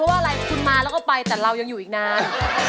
ว่าอะไรคุณมาแล้วก็ไปแต่เรายังอยู่อีกนาน